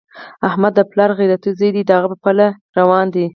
احمد د پلار غیرتي زوی دی، د هغه په پله روان دی.